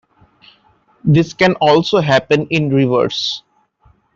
This can also happen in reverse.